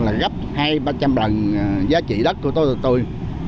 là gấp hai trăm linh ba trăm linh lần giá trị đất của tôi